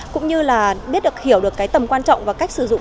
cũng như là biết được hiểu được cái tầm quan trọng và cách sử dụng